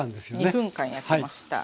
２分間焼きました。